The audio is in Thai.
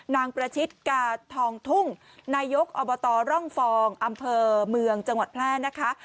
นางประชิดกาทองทุ่งนายกอบตร่องฟองอำเภอเมืองจังหวัดแพร่นะคะ